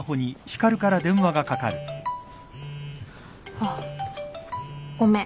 あっごめん。